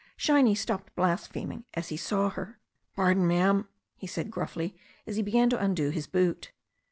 Shiny stopped blaspheming as he saw her. "Pardon, ma'am," he said gruffly, as he began to undo his boot.